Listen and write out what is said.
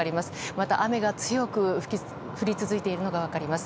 また雨が強く降り続いているのが分かります。